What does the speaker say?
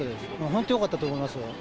本当よかったと思いますよ。